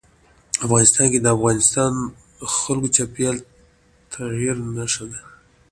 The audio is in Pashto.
افغانستان کې د افغانستان جلکو د چاپېریال د تغیر نښه ده.